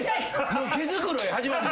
もう毛繕い始まって。